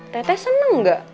teteh seneng gak